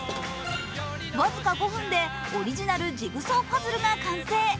僅か５分でオリジナルジグソーパズルが完成。